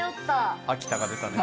秋田が出たね。